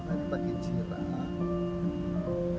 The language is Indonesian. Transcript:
pelanggaran beratnya apa pak